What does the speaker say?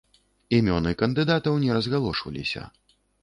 Імёны кандыдатаў не разгалошваліся.